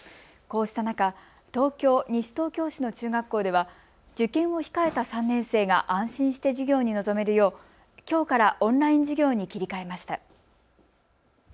こうした中、東京西東京市の中学校では受験を控えた３年生が安心して授業に臨めるようきょうからオンライン授業に切り替えました。